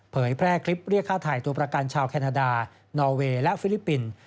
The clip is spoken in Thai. แพร่คลิปเรียกค่าถ่ายตัวประกันชาวแคนาดานอเวย์และฟิลิปปินส์